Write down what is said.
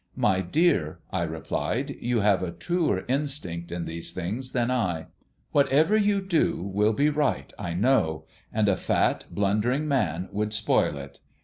"My dear," I replied, "you have a truer instinct in these things than I. Whatever you do will be right, I know; and a fat, blundering man would spoil it.